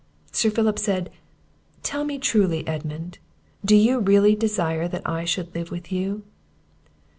Sir Philip said, "Tell me truly, Edmund, do you really desire that I should live with you?"